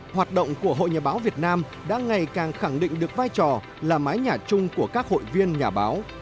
hoạt động của hội nhà báo việt nam đã ngày càng khẳng định được vai trò là mái nhà chung của các hội viên nhà báo